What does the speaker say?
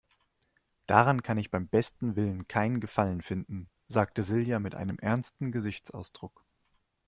Daran kann ich beim besten Willen keinen Gefallen finden, sagte Silja mit einem ernsten Gesichtsausdruck.